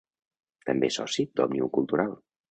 També és soci d'Òmnium Cultural.